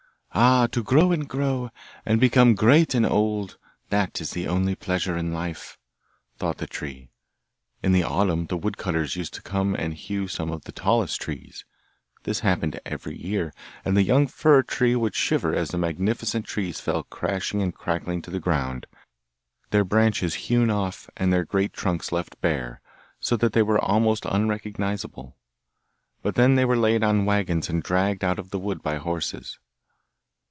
'Ah! to grow and grow, and become great and old! that is the only pleasure in life,' thought the tree. In the autumn the woodcutters used to come and hew some of the tallest trees; this happened every year, and the young fir tree would shiver as the magnificent trees fell crashing and crackling to the ground, their branches hewn off, and the great trunks left bare, so that they were almost unrecognisable. But then they were laid on waggons and dragged out of the wood by horses.